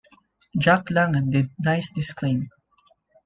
Jack Langan denies this claim.